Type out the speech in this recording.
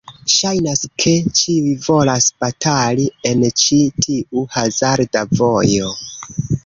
Ŝajnas ke ĉiuj volas batali en ĉi tiu hazarda vojo.